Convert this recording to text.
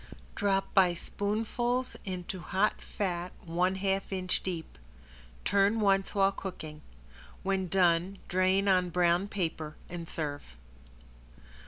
Drop by spoonfuls into hot fat one half inch deep. Turn once while cooking. When done, drain on brown paper and serve.